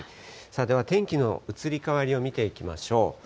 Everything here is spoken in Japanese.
では天気の移り変わりを見ていきましょう。